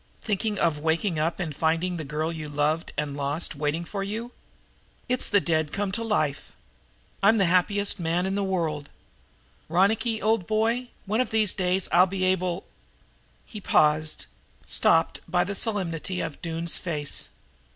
"Thinking of waking up and finding the girl that you've loved and lost standing waiting for you! It's the dead come to life. I'm the happiest man in the world. Ronicky, old boy, one of these days I'll be able " He paused, stopped by the solemnity of Doone's face.